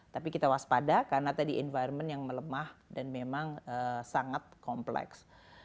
tapi kita waspada karena tadi environment yang melemah dan memang sangat kompleks